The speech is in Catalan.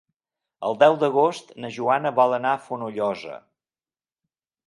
El deu d'agost na Joana vol anar a Fonollosa.